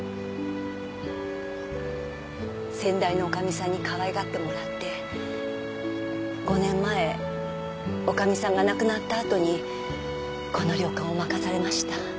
先代の女将さんにかわいがってもらって５年前女将さんが亡くなったあとにこの旅館を任されました。